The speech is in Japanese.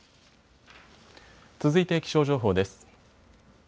続いて気象情報です。